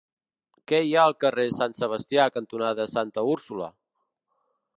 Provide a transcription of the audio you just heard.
Què hi ha al carrer Sant Sebastià cantonada Santa Úrsula?